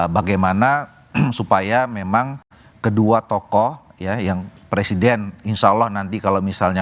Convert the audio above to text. bagaimana supaya memang kedua tokoh ya yang presiden insyaallah nanti kalau misalnya